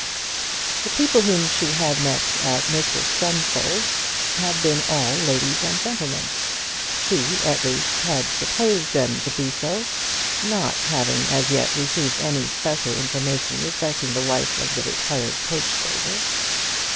The people whom she had met at Mr Stumfold's had been all ladies and gentlemen; she, at least, had supposed them to be so, not having as yet received any special information respecting the wife of the retired coachbuilder.